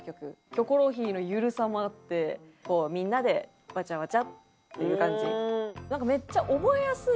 『キョコロヒー』の緩さもあってみんなでわちゃわちゃっていう感じ。